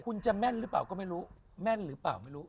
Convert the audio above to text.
คุณจะแม่นหรือเปล่าก็ไม่รู้แม่นหรือเปล่าไม่รู้